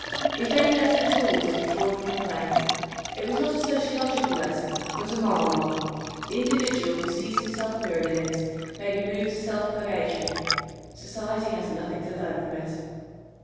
If any lesson at all was to be drawn from the play it was not a sociological lesson, but a moral one. The individual who sees himself mirrored in it may be moved to self purgation; society has nothing to learn from it.